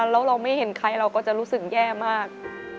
แล้วเราไม่เห็นใครเราก็จะรู้สึกแย่มาก